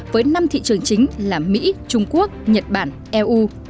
với năm thị trường chính là mỹ trung quốc nhật bản eu